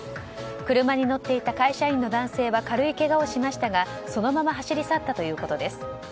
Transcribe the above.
車に乗っていた会社員の男性は軽いけがをしましたがそのまま走り去ったということです。